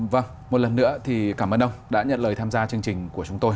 vâng một lần nữa thì cảm ơn ông đã nhận lời tham gia chương trình của chúng tôi